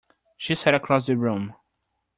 She sat across the room.